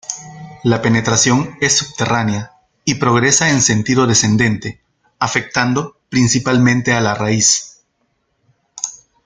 La penetración es subterránea y progresa en sentido descendente, afectando principalmente a la raíz.